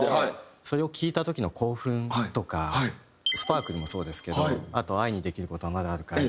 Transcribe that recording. それを聴いた時の興奮とか『スパークル』もそうですけどあと『愛にできることはまだあるかい』。